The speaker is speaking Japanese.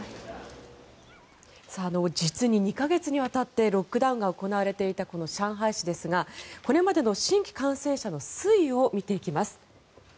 実に２か月にわたってロックダウンが行われていた上海市ですがこれまでの新規感染者の推移を見ていきます。